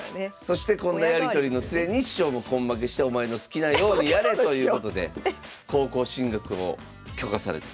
そしてこのやり取りの末に師匠も根負けしてお前の好きなようにやれということで高校進学を許可された。